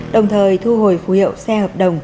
đồng thời thu hồi phủ hiệu xe hợp đồng